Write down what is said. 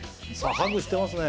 ハグしてますね。